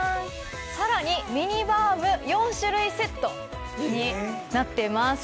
さらにミニバーム４種類セットになってます。